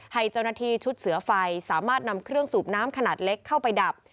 ให้เจ้าหน้าที่ชุดเสือไฟสามารถนำเครื่องสูบน้ำขนาดเล็กเข้าไปดับ